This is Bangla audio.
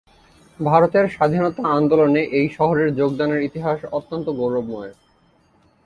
ভারতের স্বাধীনতা আন্দোলনে এই শহরের যোগদানের ইতিহাস অত্যন্ত গৌরবময়।